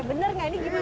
bener nggak ini gimana